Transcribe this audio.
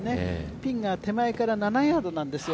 ピンが手前から７ヤードなんですよ